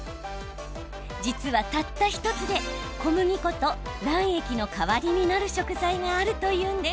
実は、たった１つで小麦粉と卵液の代わりになる食材があるというんです。